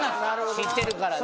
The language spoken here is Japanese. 知ってるからね。